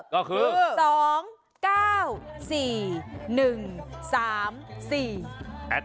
ก็คือ